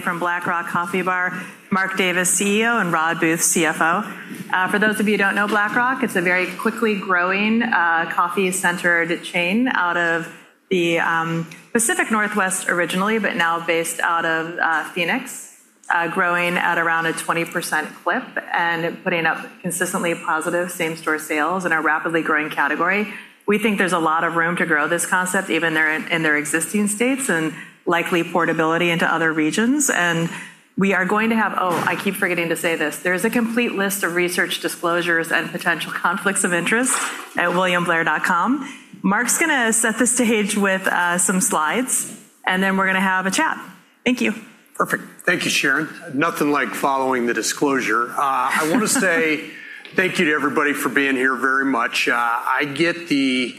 From Black Rock Coffee Bar, Mark Davis, CEO, and Rodd Booth, CFO. For those of you who don't know Black Rock, it's a very quickly growing coffee-centered chain out of the Pacific Northwest originally, but now based out of Phoenix, growing at around a 20% clip and putting up consistently positive same-store sales in a rapidly growing category. We think there's a lot of room to grow this concept, even in their existing states, and likely portability into other regions. Oh, I keep forgetting to say this. There is a complete list of research disclosures and potential conflicts of interest at williamblair.com. Mark's going to set the stage with some slides, and then we're going to have a chat. Thank you. Perfect. Thank you, Sharon. Nothing like following the disclosure. I want to say thank you to everybody for being here very much. I get the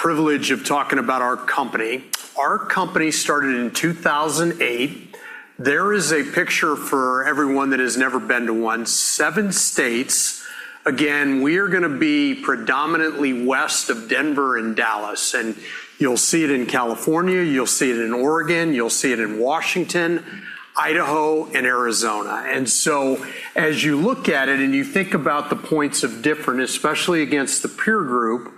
privilege of talking about our company. Our company started in 2008. There is a picture for everyone that has never been to one, Seven states. Again, we are going to be predominantly west of Denver and Dallas, and you'll see it in California, you'll see it in Oregon, you'll see it in Washington, Idaho, and Arizona. As you look at it and you think about the points of difference, especially against the peer group,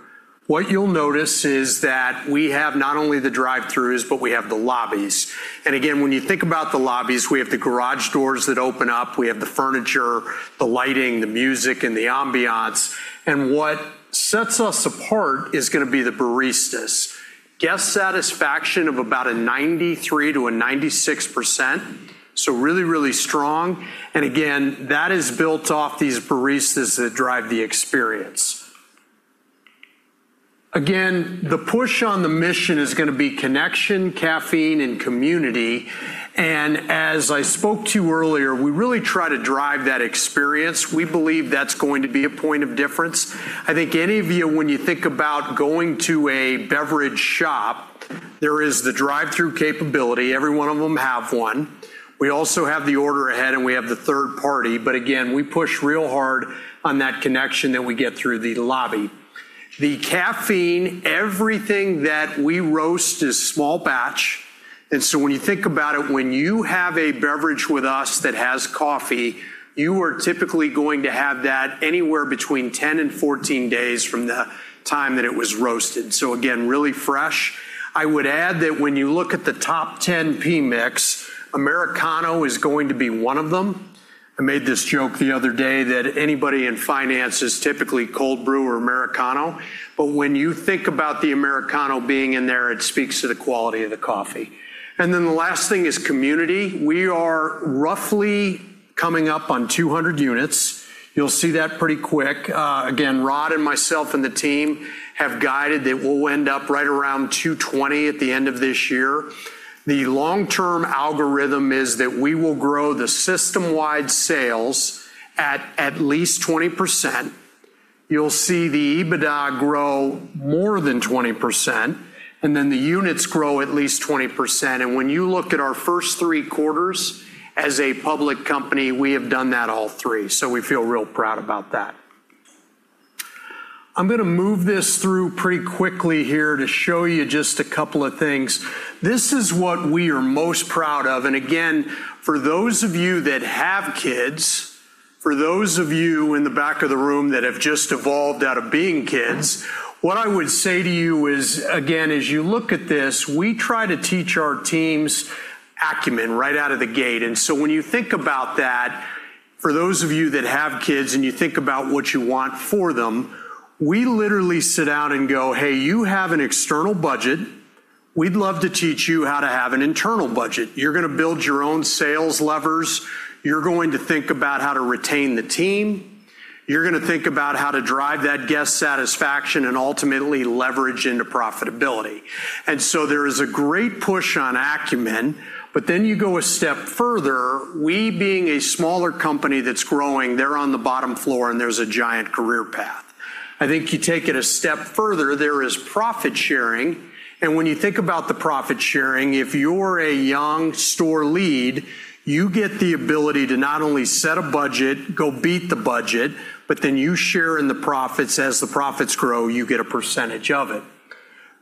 what you'll notice is that we have not only the drive-throughs, but we have the lobbies. Again, when you think about the lobbies, we have the garage doors that open up. We have the furniture, the lighting, the music, and the ambiance. What sets us apart is going to be the baristas. Guest satisfaction of about a 93%-96%. Really strong. Again, that is built off these baristas that drive the experience. Again, the push on the mission is going to be connection, caffeine, and community. As I spoke to earlier, we really try to drive that experience. We believe that's going to be a point of difference. I think any of you, when you think about going to a beverage shop, there is the drive-thru capability. Every one of them have one. We also have the order ahead, and we have the third party. Again, we push real hard on that connection that we get through the lobby. The caffeine, everything that we roast is small batch. When you think about it, when you have a beverage with us that has coffee, you are typically going to have that anywhere between 10-14 days from the time that it was roasted. Again, really fresh. I would add that when you look at the top 10 Pmix, Americano is going to be one of them. I made this joke the other day that anybody in finance is typically cold brew or Americano. When you think about the Americano being in there, it speaks to the quality of the coffee. The last thing is community. We are roughly coming up on 200 units. You'll see that pretty quick. Again, Rodd and myself and the team have guided that we'll end up right around 220 at the end of this year. The long-term algorithm is that we will grow the system-wide sales at least 20%. You'll see the EBITDA grow more than 20%, and then the units grow at least 20%. When you look at our first three quarters as a public company, we have done that all three. We feel real proud about that. I'm going to move this through pretty quickly here to show you just a couple of things. This is what we are most proud of. Again, for those of you that have kids, for those of you in the back of the room that have just evolved out of being kids, what I would say to you is, again, as you look at this, we try to teach our teams acumen right out of the gate. When you think about that, for those of you that have kids and you think about what you want for them, we literally sit down and go, "Hey, you have an external budget. We'd love to teach you how to have an internal budget." You're going to build your own sales levers. You're going to think about how to retain the team. You're going to think about how to drive that guest satisfaction and ultimately leverage into profitability. There is a great push on acumen, you go a step further. We being a smaller company that's growing, they're on the bottom floor, and there's a giant career path. I think you take it a step further, there is profit sharing. When you think about the profit sharing, if you're a young store lead, you get the ability to not only set a budget, go beat the budget, but then you share in the profits. As the profits grow, you get a percentage of it.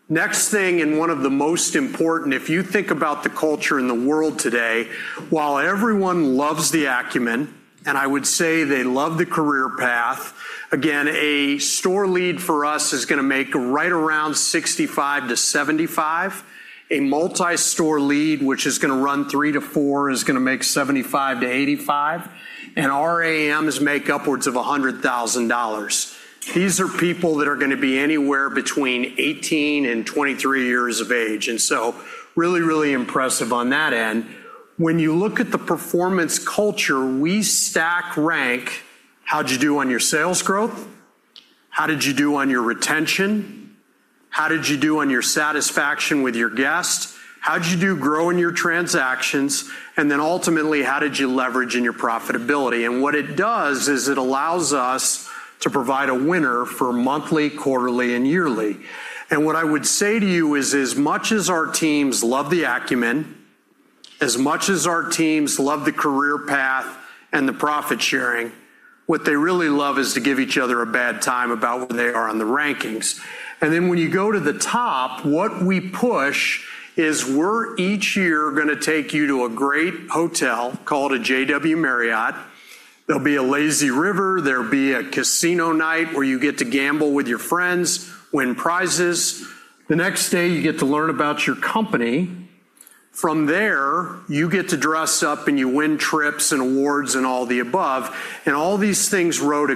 Next thing, and one of the most important, if you think about the culture in the world today, while everyone loves the acumen, and I would say they love the career path, again, a store lead for us is going to make right around $65,000-$75,000. A multi-store lead, which is going to run three to four, is going to make $75,000-$85,000. Our AMs make upwards of $100,000. These are people that are going to be anywhere between 18-23 years of age, so really, really impressive on that end. When you look at the performance culture, we stack rank, how'd you do on your sales growth? How did you do on your retention? How did you do on your satisfaction with your guest? How did you do growing your transactions? Ultimately, how did you leverage in your profitability? What it does is it allows us to provide a winner for monthly, quarterly, and yearly. What I would say to you is, as much as our teams love the acumen, as much as our teams love the career path and the profit sharing. What they really love is to give each other a bad time about where they are on the rankings. When you go to the top, what we push is we're each year going to take you to a great hotel called a JW Marriott. There'll be a lazy river. There'll be a casino night where you get to gamble with your friends, win prizes. The next day, you get to learn about your company. From there, you get to dress up and you win trips and awards and all the above, and all these things rode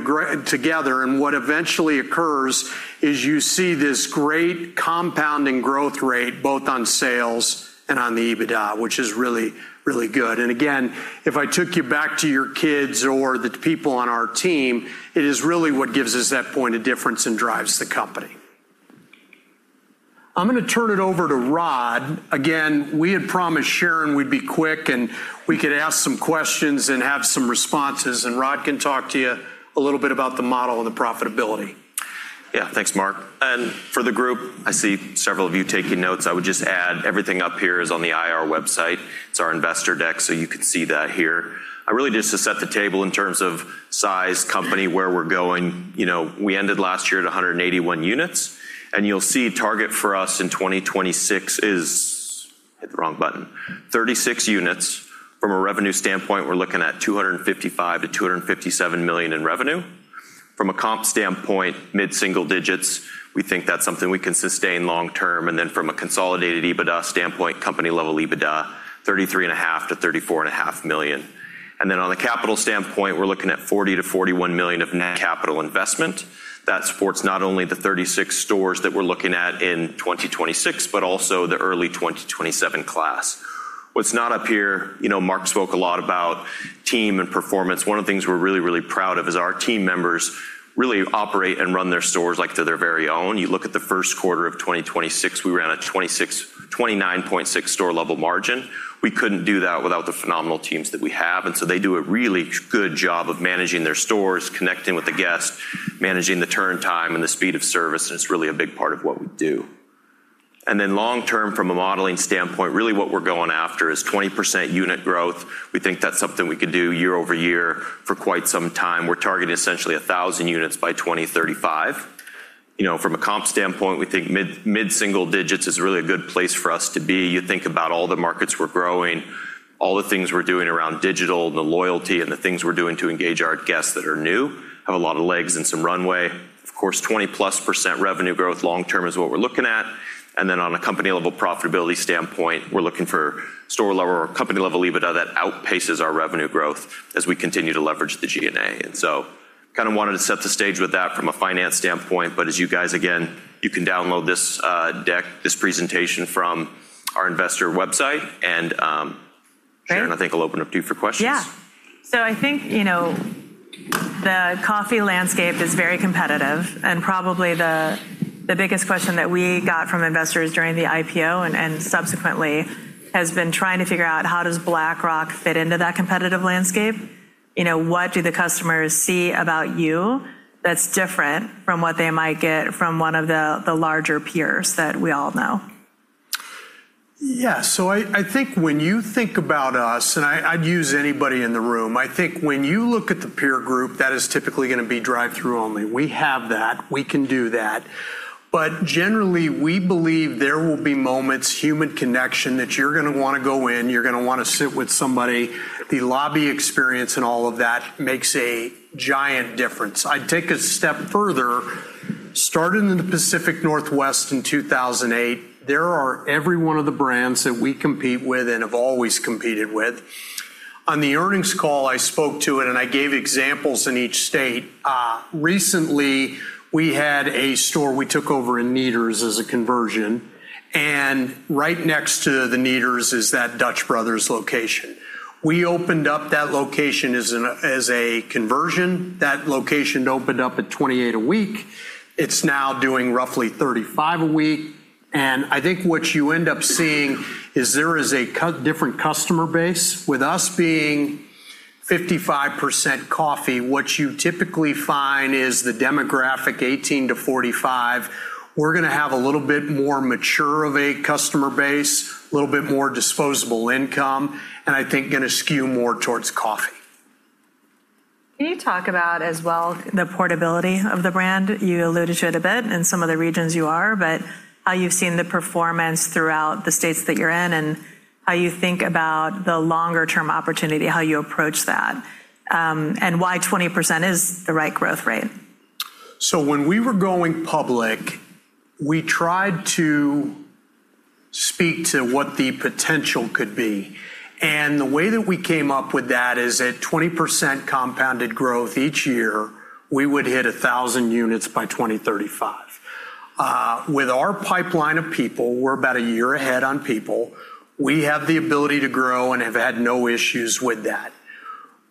together. What eventually occurs is you see this great compounding growth rate both on sales and on the EBITDA, which is really, really good. Again, if I took you back to your kids or the people on our team, it is really what gives us that point of difference and drives the company. I'm going to turn it over to Rodd. Again, we had promised Sharon we'd be quick, and we could ask some questions and have some responses, and Rodd can talk to you a little bit about the model and the profitability. Thanks, Mark. For the group, I see several of you taking notes. I would just add everything up here is on the IR website. It's our investor deck, you can see that here. Really just to set the table in terms of size, company, where we're going. We ended last year at 181 units, you'll see target for us in 2026 is, hit the wrong button, 36 units. From a revenue standpoint, we're looking at $255 million-$257 million in revenue. From a comp standpoint, mid-single digits. We think that's something we can sustain long term. From a consolidated EBITDA standpoint, company level EBITDA, $33.5 million-$34.5 million. On the capital standpoint, we're looking at $40 million-$41 million of net capital investment. That supports not only the 36 stores that we're looking at in 2026, but also the early 2027 class. What's not up here, Mark spoke a lot about team and performance. One of the things we're really, really proud of is our team members really operate and run their stores like they're their very own. You look at the first quarter of 2026, we ran a 29.6% store-level margin. We couldn't do that without the phenomenal teams that we have. They do a really good job of managing their stores, connecting with the guests, managing the turn time, and the speed of service, and it's really a big part of what we do. Long term, from a modeling standpoint, really what we're going after is 20% unit growth. We think that's something we could do year-over-year for quite some time. We're targeting essentially 1,000 units by 2035. From a comp standpoint, we think mid-single digits is really a good place for us to be. You think about all the markets we're growing, all the things we're doing around digital and the loyalty and the things we're doing to engage our guests that are new have a lot of legs and some runway. Of course, 20%+ revenue growth long term is what we're looking at. On a company-level profitability standpoint, we're looking for store-level or company-level EBITDA that outpaces our revenue growth as we continue to leverage the G&A. Kind of wanted to set the stage with that from a finance standpoint, but as you guys, again, you can download this deck, this presentation from our investor website. Sharon, I think I'll open up to you for questions. I think the coffee landscape is very competitive. Probably the biggest question that we got from investors during the IPO and subsequently has been trying to figure out how does Black Rock fit into that competitive landscape. What do the customers see about you that's different from what they might get from one of the larger peers that we all know? Yeah. I think when you think about us, and I'd use anybody in the room, I think when you look at the peer group, that is typically going to be drive-through only. We have that. We can do that. Generally, we believe there will be moments, human connection, that you're going to want to go in, you're going to want to sit with somebody. The lobby experience and all of that makes a giant difference. I'd take a step further. Started in the Pacific Northwest in 2008. There are every one of the brands that we compete with and have always competed with. On the earnings call, I spoke to it and I gave examples in each state. Recently, we had a store we took over in Kneaders as a conversion, and right next to the Kneaders is that Dutch Bros. location. We opened up that location as a conversion. That location opened up at 28 a week. It's now doing roughly 35 a week. I think what you end up seeing is there is a different customer base. With us being 55% coffee, what you typically find is the demographic 18-45. We're going to have a little bit more mature of a customer base, a little bit more disposable income, and I think going to skew more towards coffee. Can you talk about as well the portability of the brand? You alluded to it a bit in some of the regions you are, but how you've seen the performance throughout the states that you're in and how you think about the longer-term opportunity, how you approach that. Why 20% is the right growth rate. When we were going public, we tried to speak to what the potential could be, and the way that we came up with that is at 20% compounded growth each year, we would hit 1,000 units by 2035. With our pipeline of people, we're about a year ahead on people. We have the ability to grow and have had no issues with that.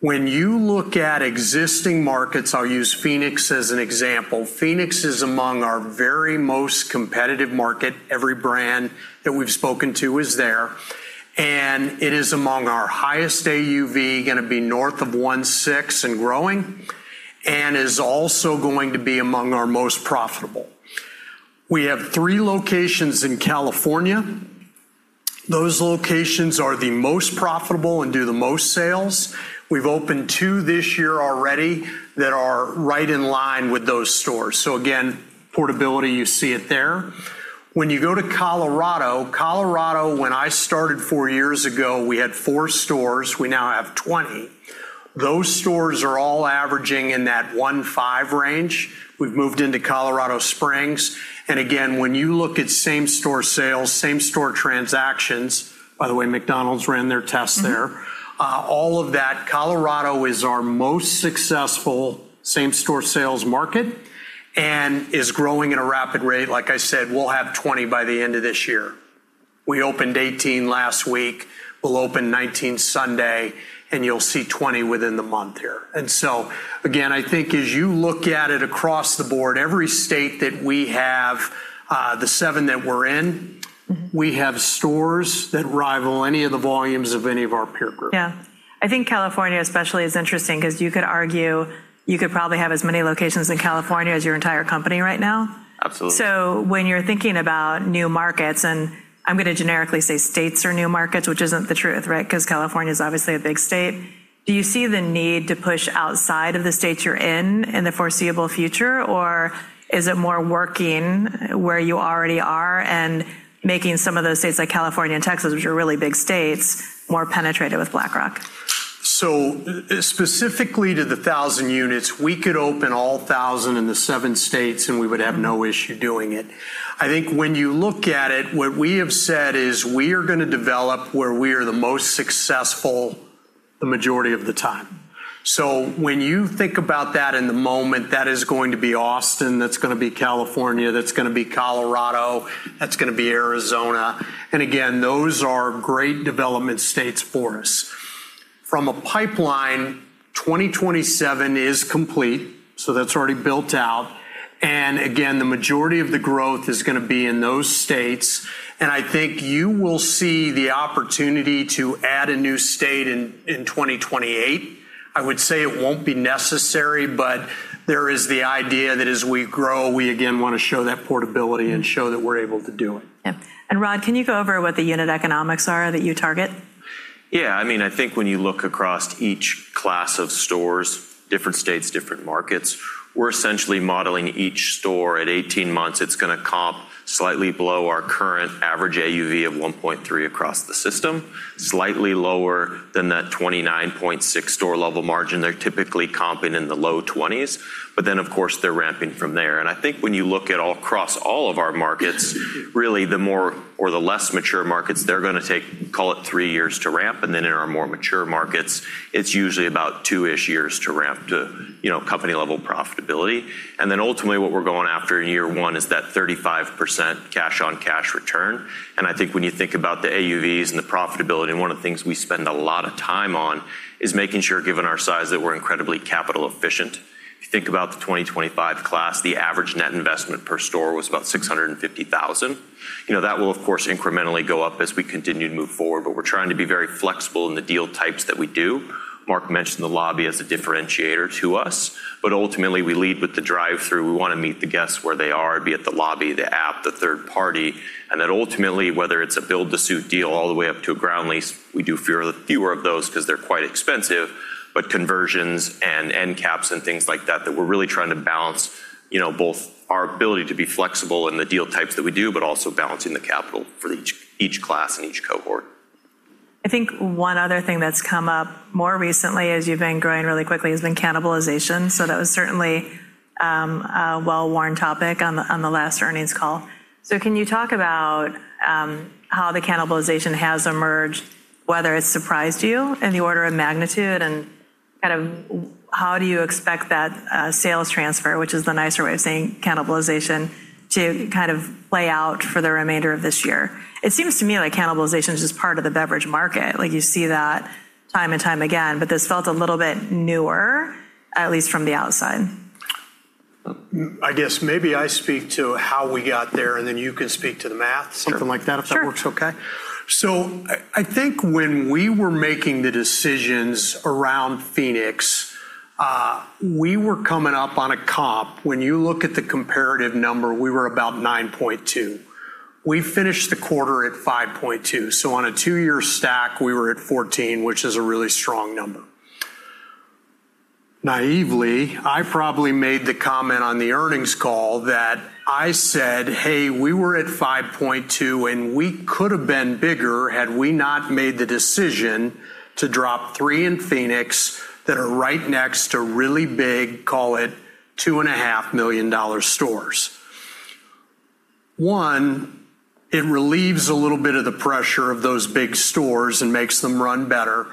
When you look at existing markets, I'll use Phoenix as an example. Phoenix is among our very most competitive market. Every brand that we've spoken to is there, and it is among our highest AUV, going to be north of $1.6 and growing, and is also going to be among our most profitable. We have three locations in California. Those locations are the most profitable and do the most sales. We've opened two this year already that are right in line with those stores. Again, portability, you see it there. When you go to Colorado, when I started four years ago, we had four stores. We now have 20. Those stores are all averaging in that $1.5 range. We've moved into Colorado Springs, again, when you look at same-store sales, same-store transactions, by the way, McDonald's ran their tests there. All of that, Colorado is our most successful same-store sales market and is growing at a rapid rate. Like I said, we'll have 20 by the end of this year. We opened 18 last week. We'll open 19 Sunday, and you'll see 20 within the month here. Again, I think as you look at it across the board, every state that we have, the seven that we're in. We have stores that rival any of the volumes of any of our peer group. Yeah. I think California especially is interesting because you could argue you could probably have as many locations in California as your entire company right now. Absolutely. When you're thinking about new markets, and I'm going to generically say states are new markets, which isn't the truth, right? Because California is obviously a big state. Do you see the need to push outside of the states you're in in the foreseeable future, or is it more working where you already are and making some of those states like California and Texas, which are really big states, more penetrated with Black Rock? Specifically to the 1,000 units, we could open all 1,000 in the seven states, and we would have no issue doing it. I think when you look at it, what we have said is we are going to develop where we are the most successful the majority of the time. When you think about that in the moment, that is going to be Austin, that's going to be California, that's going to be Colorado, that's going to be Arizona. Again, those are great development states for us. From a pipeline, 2027 is complete, so that's already built out. Again, the majority of the growth is going to be in those states, and I think you will see the opportunity to add a new state in 2028. I would say it won't be necessary, but there is the idea that as we grow, we again want to show that portability and show that we're able to do it. Yeah. Rodd, can you go over what the unit economics are that you target? Yeah. I think when you look across each class of stores, different states, different markets, we're essentially modeling each store. At 18 months, it's going to comp slightly below our current average AUV of $1.3 across the system. Slightly lower than that 29.6% store-level margin. They're typically comping in the low twenties, of course they're ramping from there. I think when you look at across all of our markets, really the more or the less mature markets they're going to take, call it three years to ramp. In our more mature markets, it's usually about two-ish years to ramp to company level profitability. Ultimately what we're going after in year one is that 35% cash on cash return. I think when you think about the AUVs and the profitability, one of the things we spend a lot of time on is making sure, given our size, that we're incredibly capital efficient. If you think about the 2025 class, the average net investment per store was about $650,000. That will of course incrementally go up as we continue to move forward, but we're trying to be very flexible in the deal types that we do. Mark mentioned the lobby as a differentiator to us. Ultimately we lead with the drive-through. We want to meet the guests where they are, be it the lobby, the app, the third party, and then ultimately, whether it's a build to suit deal all the way up to a ground lease. We do fewer of those because they're quite expensive. Conversions and end caps and things like that we're really trying to balance, both our ability to be flexible in the deal types that we do, but also balancing the capital for each class and each cohort. I think one other thing that's come up more recently as you've been growing really quickly has been cannibalization. That was certainly a well-worn topic on the last earnings call. Can you talk about how the cannibalization has emerged, whether it surprised you in the order of magnitude, and how do you expect that sales transfer, which is the nicer way of saying cannibalization, to play out for the remainder of this year? It seems to me like cannibalization is just part of the beverage market. You see that time and time again. This felt a little bit newer, at least from the outside. I guess maybe I speak to how we got there, and then you can speak to the math. Sure. Something like that, if that works okay. Sure. I think when we were making the decisions around Phoenix, we were coming up on a comp. When you look at the comparative number, we were about 9.2. We finished the quarter at 5.2, on a two-year stack we were at 14, which is a really strong number. Naively, I probably made the comment on the earnings call that I said, "Hey, we were at 5.2 and we could have been bigger had we not made the decision to drop three in Phoenix that are right next to really big, call it $2.5 million stores." One, it relieves a little bit of the pressure of those big stores and makes them run better.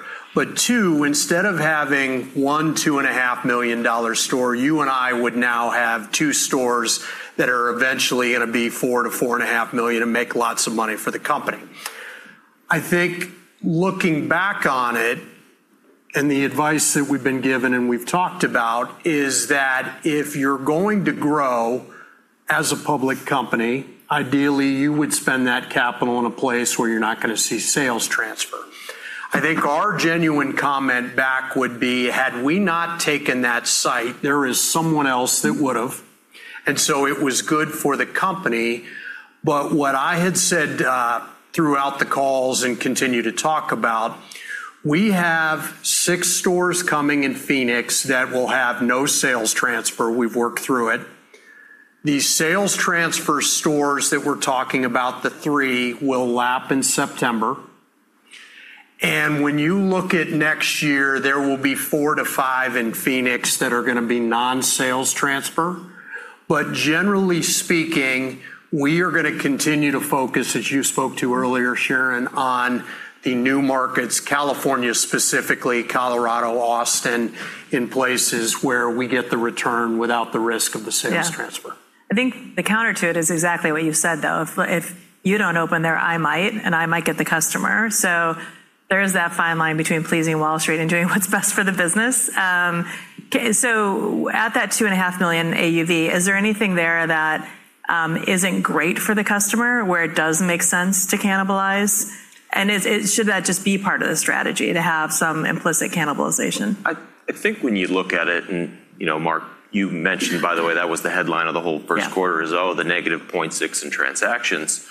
Two, instead of having one, $2.5 million store, you and I would now have two stores that are eventually going to be $4 million-$4.5 million and make lots of money for the company. I think looking back on it, and the advice that we've been given and we've talked about is that if you're going to grow as a public company, ideally you would spend that capital in a place where you're not going to see sales transfer. I think our genuine comment back would be, had we not taken that site, there is someone else that would have. It was good for the company. What I had said throughout the calls and continue to talk about, we have six stores coming in Phoenix that will have no sales transfer. We've worked through it. The sales transfer stores that we're talking about, the three, will lap in September. When you look at next year, there will be four to five in Phoenix that are going to be non-sales transfer. Generally speaking, we are going to continue to focus, as you spoke to earlier, Sharon, on the new markets, California specifically, Colorado, Austin, in places where we get the return without the risk of the sales transfer. Yeah. I think the counter to it is exactly what you've said, though. If you don't open there, I might, and I might get the customer. There is that fine line between pleasing Wall Street and doing what's best for the business. At that $2.5 million AUV, is there anything there that isn't great for the customer, where it does make sense to cannibalize? Should that just be part of the strategy to have some implicit cannibalization? I think when you look at it, and Mark, you mentioned, by the way, that was the headline of the whole first quarter. Yeah is the -0.6 in transactions.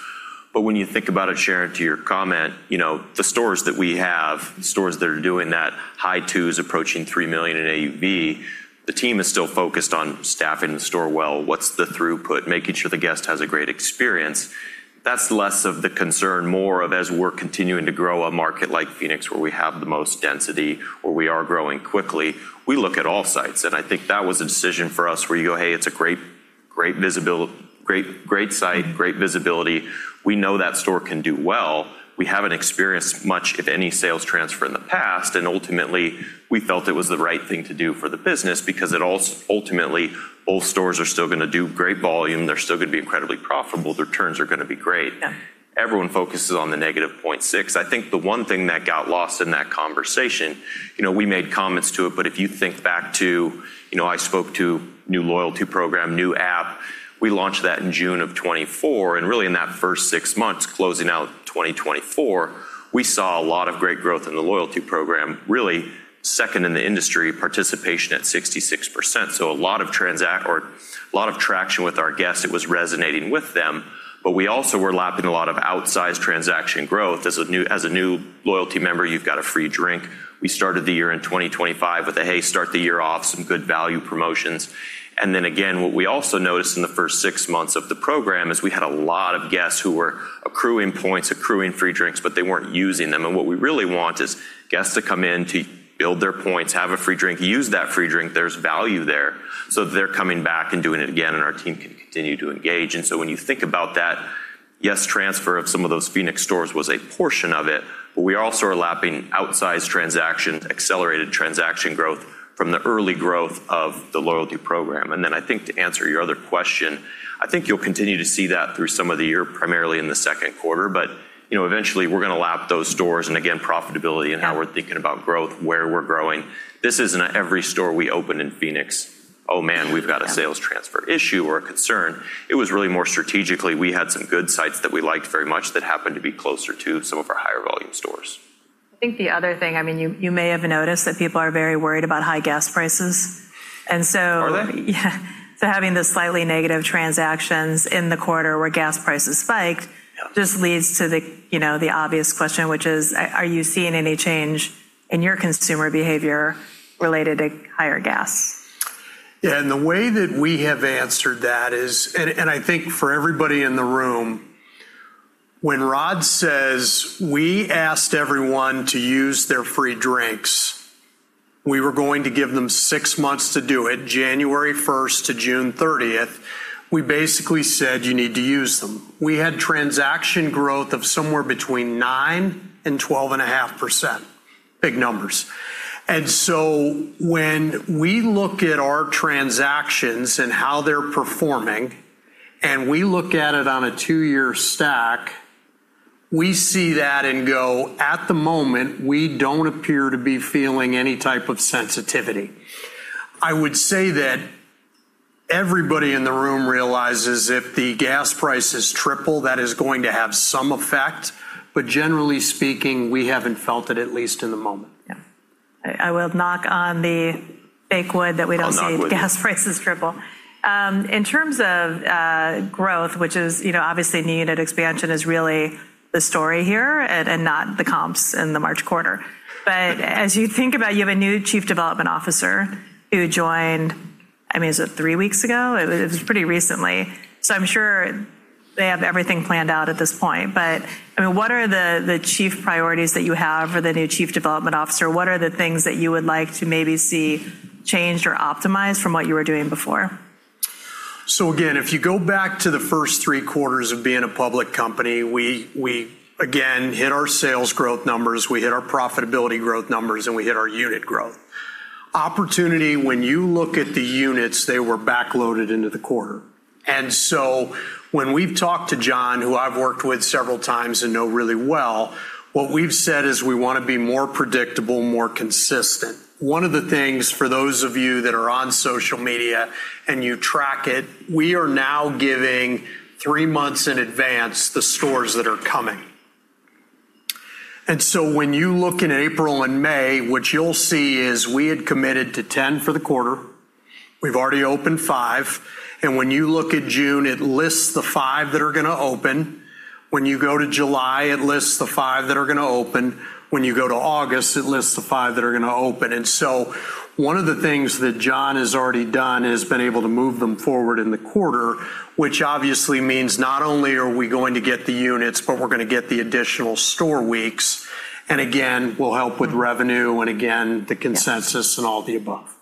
When you think about it, Sharon, to your comment, the stores that we have, stores that are doing that high 2s approaching $3 million in AUV, the team is still focused on staffing the store well, what's the throughput, making sure the guest has a great experience. That's less of the concern, more of as we're continuing to grow a market like Phoenix where we have the most density, where we are growing quickly. We look at all sites, I think that was a decision for us where you go, "Hey, it's a great site, great visibility. We know that store can do well. We haven't experienced much, if any, sales transfer in the past." Ultimately, we felt it was the right thing to do for the business because it ultimately, all stores are still going to do great volume. They're still going to be incredibly profitable. Their turns are going to be great. Yeah. Everyone focuses on the -0.6%. I think the one thing that got lost in that conversation, we made comments to it, but if you think back to, I spoke to new loyalty program, new app. We launched that in June of 2024, and really in that first 6 months closing out 2024, we saw a lot of great growth in the loyalty program, really second in the industry, participation at 66%. A lot of traction with our guests. It was resonating with them, but we also were lapping a lot of outsized transaction growth. As a new loyalty member, you've got a free drink. We started the year in 2025 with a, hey, start the year off, some good value promotions. Again, what we also noticed in the first six months of the program is we had a lot of guests who were accruing points, accruing free drinks, but they weren't using them. What we really want is guests to come in to build their points, have a free drink, use that free drink. There's value there. They're coming back and doing it again, and our team can continue to engage. When you think about that, yes, transfer of some of those Phoenix stores was a portion of it, but we also are lapping outsized transactions, accelerated transaction growth from the early growth of the loyalty program. I think to answer your other question, I think you'll continue to see that through some of the year, primarily in the second quarter. Eventually we're going to lap those stores, and again, profitability and how we're thinking about growth, where we're growing. This isn't every store we open in Phoenix, oh man, we've got a sales transfer issue or a concern. It was really more strategically, we had some good sites that we liked very much that happened to be closer to some of our higher volume stores. I think the other thing, you may have noticed that people are very worried about high gas prices. Are they? Yeah. Having the slightly negative transactions in the quarter where gas prices spiked just leads to the obvious question, which is are you seeing any change in your consumer behavior related to higher gas? Yeah. The way that we have answered that is, I think for everybody in the room, when Rodd says we asked everyone to use their free drinks, we were going to give them 6 months to do it, January 1st to June 30th. We basically said you need to use them. We had transaction growth of somewhere between 9%-12.5%. Big numbers. When we look at our transactions and how they're performing, we look at it on a two-year stack, we see that and go, at the moment, we don't appear to be feeling any type of sensitivity. I would say that everybody in the room realizes if the gas prices triple, that is going to have some effect. Generally speaking, we haven't felt it, at least in the moment. Yeah. I will knock on the fake wood that we don't- I'll knock with you. see gas prices triple. In terms of growth, which is obviously needed, expansion is really the story here, and not the comps in the March quarter. As you think about, you have a new Chief Development Officer who joined, is it 3 weeks ago? It was pretty recently. I'm sure they have everything planned out at this point. What are the chief priorities that you have for the new Chief Development Officer? What are the things that you would like to maybe see changed or optimized from what you were doing before? Again, if you go back to the first three quarters of being a public company, we again hit our sales growth numbers, we hit our profitability growth numbers, and we hit our unit growth. Opportunity, when you look at the units, they were back-loaded into the quarter. When we've talked to John, who I've worked with several times and know really well, what we've said is we want to be more predictable, more consistent. One of the things, for those of you that are on social media and you track it, we are now giving three months in advance the stores that are coming. When you look in April and May, what you'll see is we had committed to 10 for the quarter. We've already opened five. When you look at June, it lists the five that are going to open. When you go to July, it lists the five that are going to open. When you go to August, it lists the five that are going to open. One of the things that John has already done is been able to move them forward in the quarter, which obviously means not only are we going to get the units, but we're going to get the additional store weeks, and again, will help with revenue and again the consensus and all the above.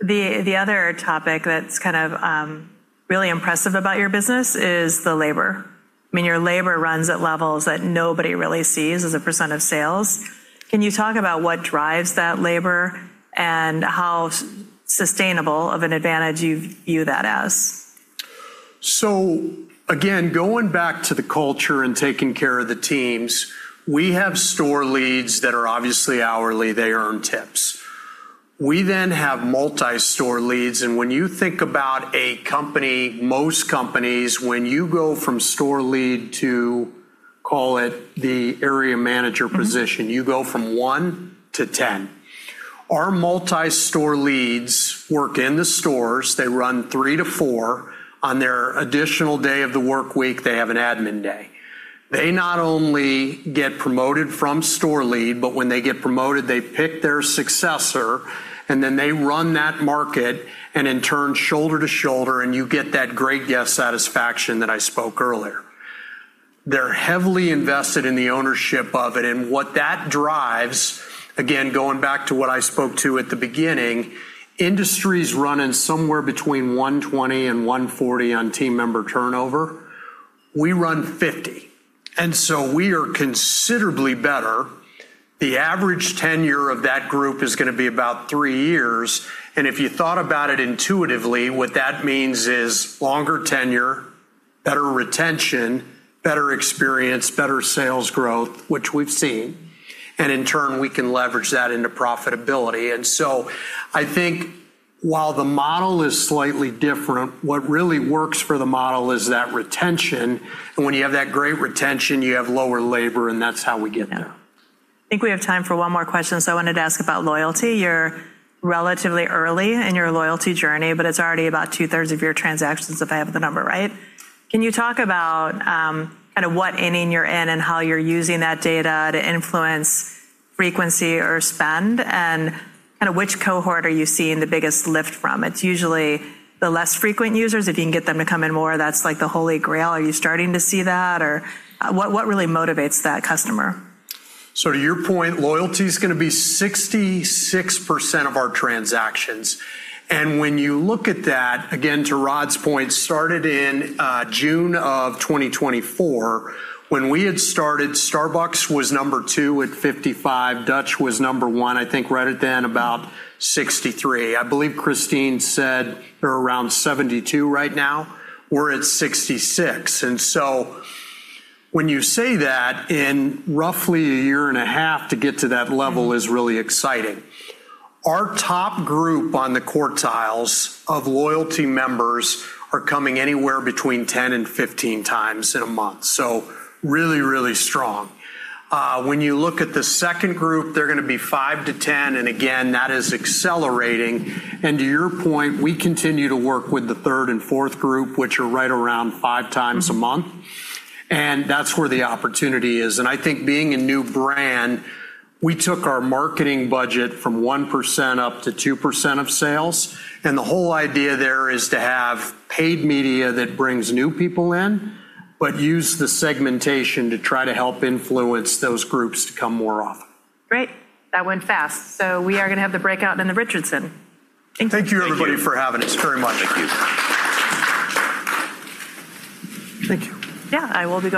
The other topic that is really impressive about your business is the labor. Your labor runs at levels that nobody really sees as a percentage of sales. Can you talk about what drives that labor and how sustainable of an advantage you view that as? Again, going back to the culture and taking care of the teams, we have store leads that are obviously hourly. They earn tips. We have multi-store leads. When you think about a company, most companies, when you go from store lead to call it the Area Manager position, you go from 1-10. Our multi-store leads work in the stores. They run 3-4. On their additional day of the workweek, they have an admin day. They not only get promoted from store lead, but when they get promoted, they pick their successor, and then they run that market, and in turn, shoulder to shoulder, and you get that great guest satisfaction that I spoke earlier. They're heavily invested in the ownership of it and what that drives, again, going back to what I spoke to at the beginning, industry's running somewhere between 120-140 on team member turnover. We run 50, we are considerably better. The average tenure of that group is going to be about 3 years. If you thought about it intuitively, what that means is longer tenure, better retention, better experience, better sales growth, which we've seen, and in turn, we can leverage that into profitability. I think while the model is slightly different, what really works for the model is that retention. When you have that great retention, you have lower labor, and that's how we get there. I think we have time for one more question. I wanted to ask about loyalty. You're relatively early in your loyalty journey, but it's already about two-thirds of your transactions if I have the number right. Can you talk about what inning you're in and how you're using that data to influence frequency or spend, and which cohort are you seeing the biggest lift from? It's usually the less frequent users. If you can get them to come in more, that's like the Holy Grail. Are you starting to see that? What really motivates that customer? To your point, loyalty's going to be 66% of our transactions. When you look at that, again to Rodd's point, started in June of 2024, when we had started, Starbucks was number two at 55%. Dutch was number one, I think right at then about 63%. I believe Christine said they're around 72% right now. We're at 66%. When you say that in roughly a year and a half to get to that level is really exciting. Our top group on the quartiles of loyalty members are coming anywhere between 10-15x in a month. Really, really strong. When you look at the second group, they're going to be 5-10, and again, that is accelerating. To your point, we continue to work with the third and fourth group, which are right around five times a month, and that's where the opportunity is. I think being a new brand, we took our marketing budget from 1% up to2% of sales, and the whole idea there is to have paid media that brings new people in, but use the segmentation to try to help influence those groups to come more often. Great. That went fast. We are going to have the breakout in the Richardson. Thank you everybody for having us. Very much. Thank you. Yeah. I will be going